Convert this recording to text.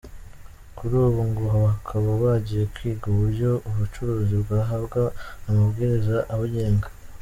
Kuri ubu ngo bakaba bagiye kwiga uburyo ubu bucuruzi bwahabwa amabwiriza abugenga.